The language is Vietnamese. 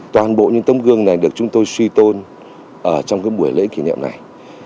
toàn bộ những tấm gương này được chúng tôi suy tôn ở trong buổi lễ kỷ niệm này